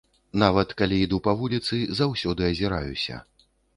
Нават, калі іду па вуліцы, заўсёды азіраюся.